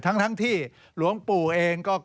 ทั้งที่หลวงปู่เองก็